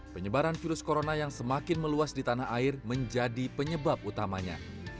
penyebaran virus corona yang semakin meluas di tanah air menjadi penyebab utamanya